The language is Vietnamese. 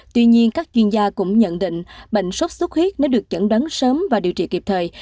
tuy nhiên các chuyên gia cũng nhận định bệnh sốt xuất huyết nếu được chẩn đoán sớm và điều trị kịp thời